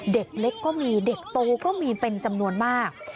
เด็กเล็กก็มีเด็กโตก็มีเป็นจำนวนมาก